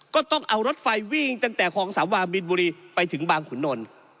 ก็ต้องเอารถไฟวิ่งตั้งแต่คลองสามาบินบุรีไปถึงบางขุนนล